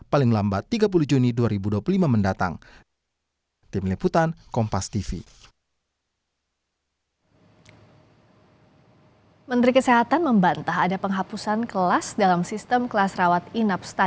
paling lambat tiga puluh juni dua ribu dua puluh